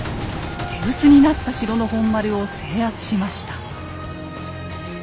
手薄になった城の本丸を制圧しました。